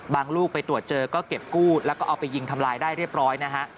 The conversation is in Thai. ลูกไปตรวจเจอก็เก็บกู้แล้วก็เอาไปยิงทำลายได้เรียบร้อยนะฮะ